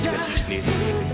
jangan lupa bang